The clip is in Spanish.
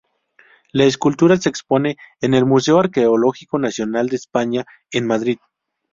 La escultura se expone en el Museo Arqueológico Nacional de España, en Madrid.